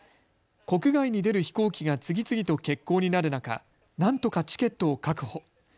国外に出る飛行機が次々と欠航になる中、なんとかチケットを確保。